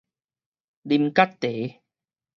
奶敆茶